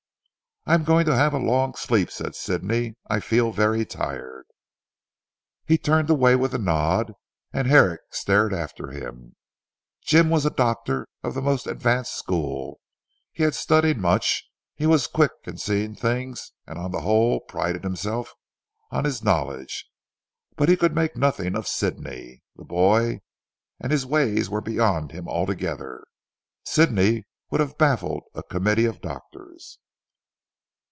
"I am going to have a long sleep," said Sidney. "I feel very tired." He turned away with a nod, and Herrick stared after him. Jim was a doctor of the most advanced school, he had studied much, he was quick in seeing things, and on the whole prided himself on his knowledge. But he could make nothing of Sidney. The boy and his ways were beyond him altogether. Sidney would have baffled a committee of Doctors.